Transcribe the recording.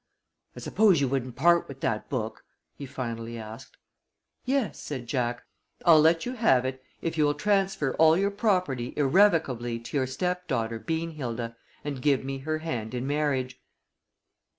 "I suppose you wouldn't part with that book?" he finally asked. "Yes," said Jack. "I'll let you have it if you will transfer all your property irrevocably to your stepdaughter, Beanhilda, and give me her hand in marriage."